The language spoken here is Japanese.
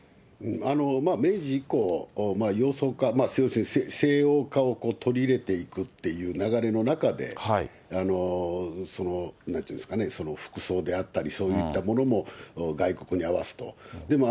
明治以降、洋装化、西洋化を取り入れていくっていう流れの中で、服装であったり、そういったものも外国に合わすと。